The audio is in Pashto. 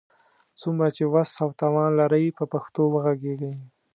څومره چي وس او توان لرئ، په پښتو وږغېږئ!